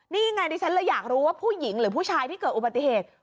นี่ไงดิฉันเลยอยากรู้ว่าผู้หญิงหรือผู้ชายที่เกิดอุบัติเหตุ